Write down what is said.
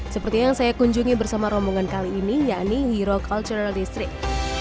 seperti yang saya kunjungi bersama rombongan kali ini yakni hero cultural district